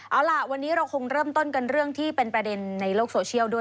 เอาล่ะวันนี้เราคงเริ่มต้นกันเรื่องที่เป็นประเด็นในโลกโซเชียลด้วย